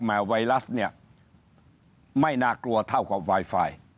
ไวรัสเนี่ยไม่น่ากลัวเท่ากับไวไฟ